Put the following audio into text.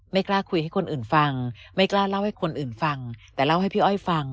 กล้าคุยให้คนอื่นฟังไม่กล้าเล่าให้คนอื่นฟังแต่เล่าให้พี่อ้อยฟัง